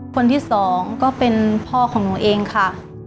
คนที่สองก็เป็นพ่อของหนูเองค่ะ